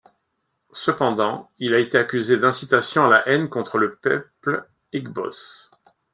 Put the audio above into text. Cependant, il a été accusé d'incitation à la haine contre le peuple Igbos.